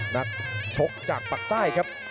นักชกจากปากใต้ครับ